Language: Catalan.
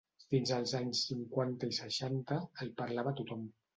Fins als anys cinquanta i seixanta, el parlava tothom.